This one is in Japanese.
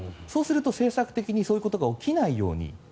そうすると政策的にそういうことが起きないように。